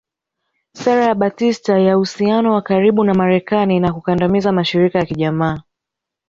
Sera ya Batista ya uhusiano wa karibu na Marekani na kukandamiza mashirika ya kijamaa